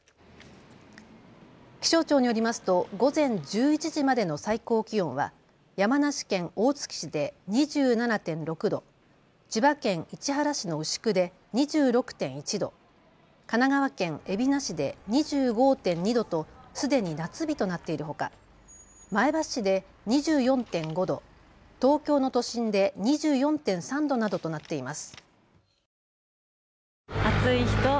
気象庁によりますと午前１１時までの最高気温は山梨県大月市で２７．６度、千葉県市原市の牛久で２６．１度、神奈川県海老名市で２５．２度とすでに夏日となっているほか、前橋市で２４．５度、東京の都心で２４．３度などとなっています。